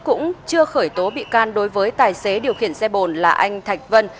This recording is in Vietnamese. cũng chưa khởi tố bị can đối với tài xế điều khiển xe bồn là anh thạch vân